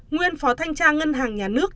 nguyên phó thanh tra ngân hàng nhà nước